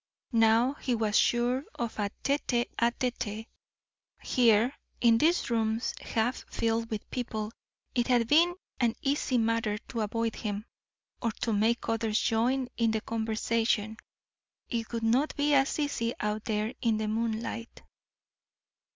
Now he was sure of a tete a tete. Here, in these rooms, half filled with people, it had been an easy matter to avoid him, or to make others join in the conversation; it would not be as easy out there in the moonlight.